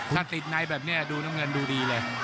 ถ้าติดในแบบนี้ดูน้ำเงินดูดีเลย